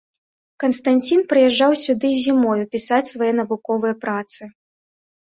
Канстанцін прыязджаў сюды і зімою, пісаць свае навуковыя працы.